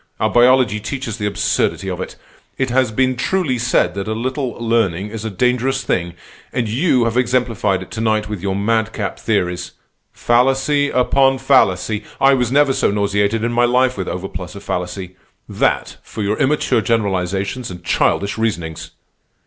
Our biology teaches the absurdity of it. It has been truly said that a little learning is a dangerous thing, and you have exemplified it to night with your madcap theories. Fallacy upon fallacy! I was never so nauseated in my life with overplus of fallacy. That for your immature generalizations and childish reasonings!"